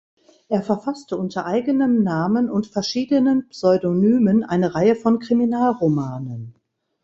Er verfasste unter eigenem Namen und verschiedenen Pseudonymen eine Reihe von Kriminalromanen.